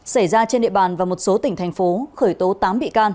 xảy ra trên địa bàn và một số tỉnh thành phố khởi tố tám bị can